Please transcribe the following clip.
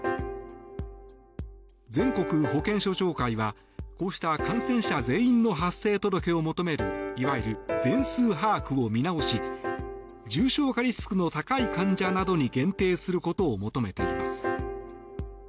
全国保健所長会は、こうした感染者全員の発生届を求めるいわゆる全数把握を見直し重症化リスクの高い患者などに限定することを求めています。